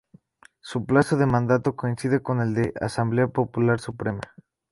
Su plazo de mandato coincide con el de la Asamblea Popular Suprema.